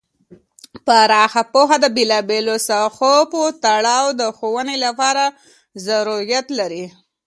پراخ پوهه د بیلا بیلو ساحو په تړاو د ښوونې لپاره ضروریت لري.